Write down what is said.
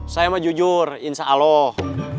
saya mah jujur insya allah